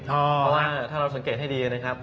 เพราะว่าถ้าเราสังเกตให้ดีนะครับ